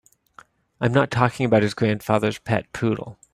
I'm not talking about his grandfather's pet poodle.